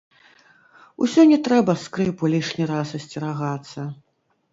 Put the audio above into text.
Усё не трэба скрыпу лішні раз асцерагацца.